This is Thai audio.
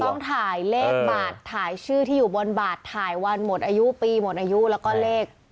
ต้องถ่ายเลขบาทถ่ายชื่อที่อยู่บนบาทถ่ายวันหมดอายุปีหมดอายุแล้วก็เลข